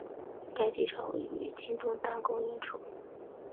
该机场位于今东单公园处。